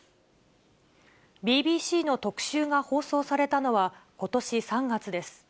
ＢＢＣの特集が放送されたのは、ことし３月です。